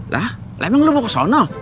lah emang lu mau ke sana